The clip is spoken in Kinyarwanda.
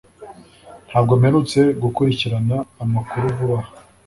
Ntabwo mperutse gukurikirana amakuru vuba aha